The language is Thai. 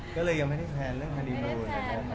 ก็เลยยังไม่ได้แทนฮาร์นีมูน